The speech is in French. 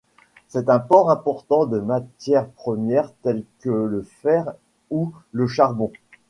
C'est un port important de matières premières tel que le fer ou le charbon.